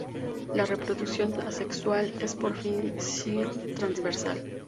La reproducción asexual es por fisión transversal.